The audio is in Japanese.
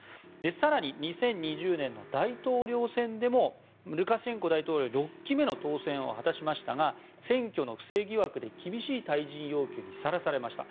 更に２０２０年の大統領選でもルカシェンコ大統領６期目の当選を果たしましたが選挙の不正疑惑で厳しい退陣要求にさらされました。